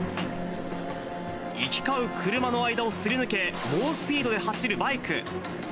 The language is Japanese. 行き交う車の間をすり抜け、猛スピードで走るバイク。